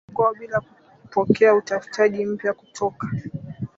kuishi kwao bila kupokea utaftaji mpya kutoka